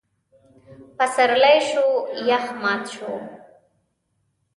پسرلی شو؛ يخ مات شو.